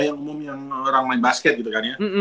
yang umum yang orang main basket gitu kan ya